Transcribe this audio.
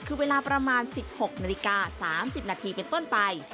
คือเวลาประมาณ๑๖นาฬิกา๓๐นาทีเป็นต้นไป